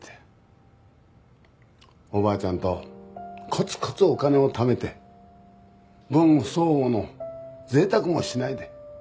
おばあちゃんとコツコツお金をためて分不相応の贅沢もしないで。